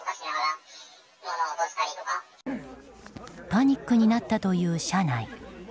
パニックになったという車内。